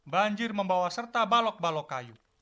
banjir membawa serta balok balok kayu